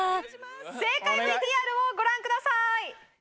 正解ＶＴＲをご覧ください！